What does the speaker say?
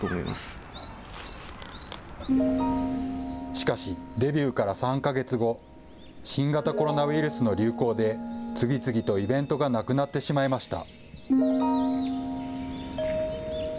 しかし、デビューから３か月後新型コロナウイルスの流行で次々とイベントがなくなってしまいました。